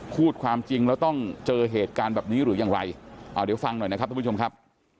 พูดความจริงแล้วต้องเจอเหตุการณ์แบบนี้หรือยังไรเอาเดี๋ยวฟังหน่อยนะครับทุกผู้ชมครับ